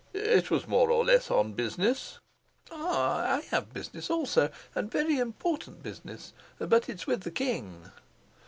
"It was more or less on business." "Ah, I have business also, and very important business. But it's with the king."